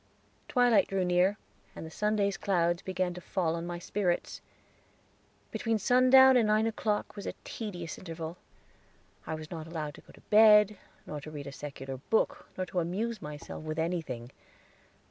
Twilight drew near, and the Sunday's clouds began to fall on my spirits. Between sundown and nine o'clock was a tedious interval. I was not allowed to go to bed, nor to read a secular book, or to amuse myself with anything.